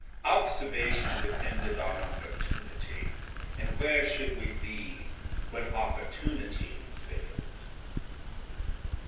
Observation depended on opportunity, and where should we be when opportunity failed?